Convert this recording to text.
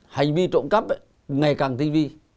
hành vi trộm cắp ngày càng tinh vi